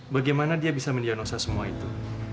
bagaimana dia bisa mendiagnosa semua itu